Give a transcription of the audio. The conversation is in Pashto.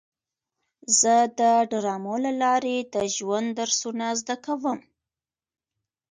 زه د ډرامو له لارې د ژوند درسونه زده کوم.